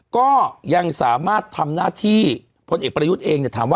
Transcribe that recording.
ก็ยังสามารถทำหน้าที่คนเอกประยุทธ์เอง